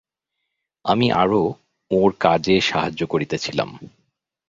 আমি আরো ওঁর কাজে সাহায্য করিতেছিলাম।